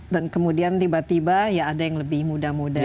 dan kemudian tiba tiba ya ada yang lebih muda muda